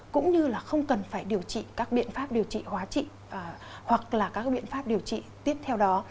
cũng như là không cần phải điều trị các biện pháp điều trị hóa trị hoặc là các biện pháp điều trị tiếp theo đó